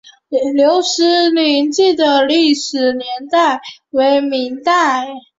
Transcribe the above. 留石亭记的历史年代为明代。